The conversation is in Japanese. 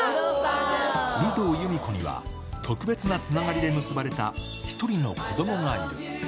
有働由美子には、特別なつながりで結ばれた一人の子どもがいる。